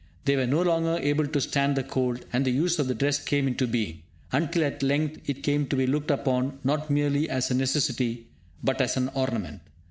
They were no longer able to stand the cold, and the use of dress came into being, until at length it came to be looked upon not merely as a necessity, but as an ornament.